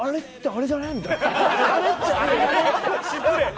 「あれじゃない？」